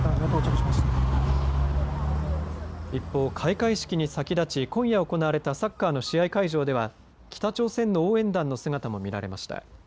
一方、開会式に先立ち今夜行われたサッカーの試合会場では北朝鮮の応援団の姿も見られました。